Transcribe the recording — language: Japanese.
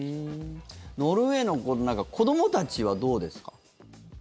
ノルウェーの子どもたちはどうですか？